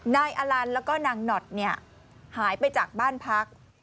นายอลันแล้วก็นางหนอดเนี่ยหายไปจากบ้านพัก